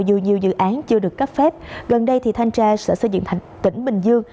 dù nhiều dự án chưa được cấp phép gần đây thì thanh tra sở xây dựng tỉnh bình dương